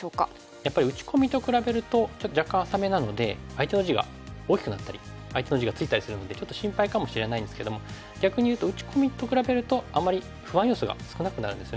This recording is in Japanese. やっぱり打ち込みと比べるとちょっと若干浅めなので相手の地が大きくなったり相手の地がついたりするのでちょっと心配かもしれないんですけども逆にいうと打ち込みと比べるとあまり不安要素が少なくなるんですよね。